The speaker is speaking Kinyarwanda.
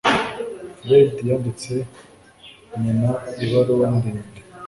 Fred yanditse nyina ibaruwa ndende.